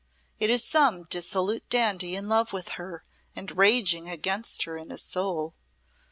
"It is some dissolute dandy in love with her and raging against her in his soul.